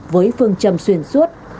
với phương châm xuyên suốt